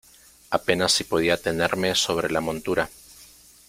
apenas si podía tenerme sobre la montura.